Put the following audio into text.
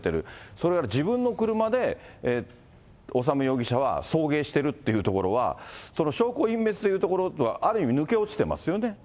それから自分の車で修容疑者は送迎してるっていうところは、その証拠隠滅でいうところとは、ある意味、抜け落ちていますよね。